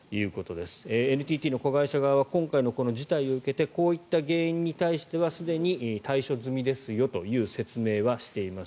ＮＴＴの子会社側は今回の事態を受けてこういった原因に対してはすでに対処済みですよという説明はしています。